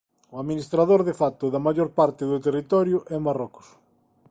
O administrador de facto da maior parte do territorio é Marrocos.